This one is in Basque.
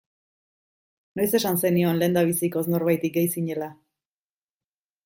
Noiz esan zenion lehendabizikoz norbaiti gay zinela.